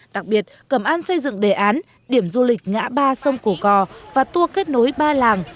đặc biệt cẩm an xây dựng đề án điểm du lịch ngã ba sông cổ cò và tour kết nối ba làng